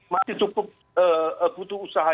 masih cukup butuh usaha